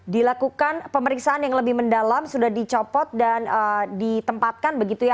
dilakukan pemeriksaan yang lebih mendalam sudah dicopot dan ditempatkan begitu ya